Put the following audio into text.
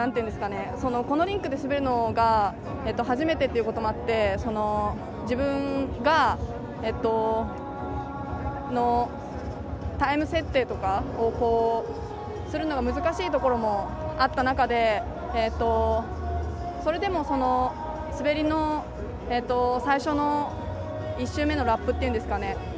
このリンクで滑るのが初めてということもあって自分のタイム設定とかをするのが難しいところもあった中でそれでも、滑りの最初の１周目のラップっていうんですかね。